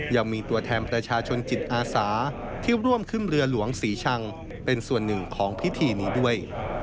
ยังมีตัวแทนประชาชนจิตอาสาที่ร่วมขึ้นเรือหลวงศรีชังเป็นส่วนหนึ่งของพิธีนี้ด้วย